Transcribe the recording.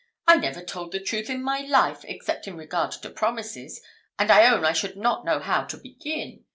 I never told the truth in my life, except in regard to promises; and I own I should not know how to begin.